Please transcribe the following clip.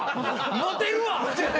モテるわ！